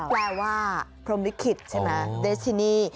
แปลว่าพรมลิขิตใช่ไหมเดชินี่